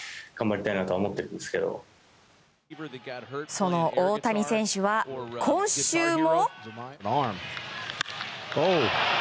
その大谷選手は今週も。